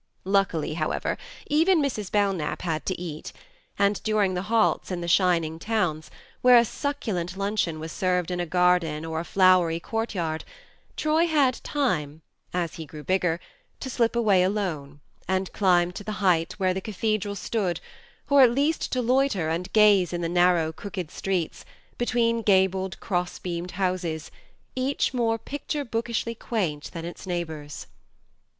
Luckily, however, even Mrs. Belknap had to eat; and during the halts in the shining towns, where a succulent luncheon was served in a garden or a flowery courtyard, Troy had time (as THE MARNE 7 he grew bigger) to slip away alone, and climb to the height where the cathedral stood, or at least to loiter and gaze in the narrow crooked streets, between gabled cross beamed houses, each more picture bookishly quaint than its neighbours.